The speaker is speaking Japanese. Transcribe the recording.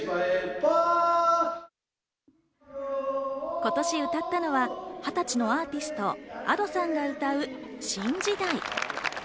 今年、歌ったのは二十歳のアーティスト・Ａｄｏさんが歌う『新時代』。